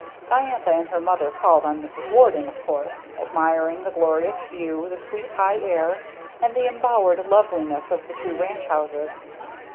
Diantha and her mother called on Mrs. Warden, of course, admiring the glorious view, the sweet high air, and the embowered loveliness of the two ranch houses.